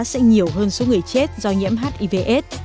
sẽ nhiều hơn số người chết do nhiễm hivs